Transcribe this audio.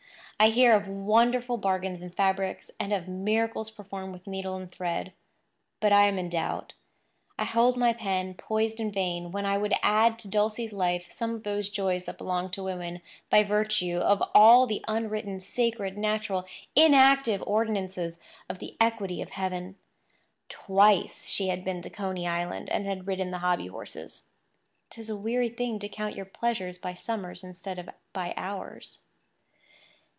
I hear of wonderful bargains in fabrics, and of miracles performed with needle and thread; but I am in doubt. I hold my pen poised in vain when I would add to Dulcie's life some of those joys that belong to woman by virtue of all the unwritten, sacred, natural, inactive ordinances of the equity of heaven. Twice she had been to Coney Island and had ridden the hobby horses. 'Tis a weary thing to count your pleasures by summers instead of by hours.